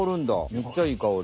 めっちゃいいかおり。